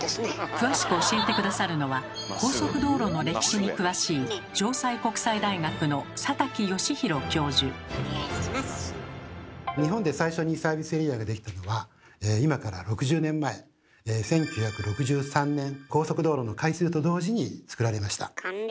詳しく教えて下さるのは高速道路の歴史に詳しい日本で最初にサービスエリアが出来たのは今から６０年前１９６３年高速道路の開通と同時につくられました。